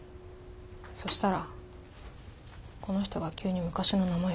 そしたらこの人が急に昔の名前呼ぶから。